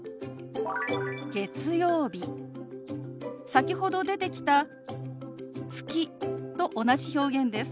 先ほど出てきた「月」と同じ表現です。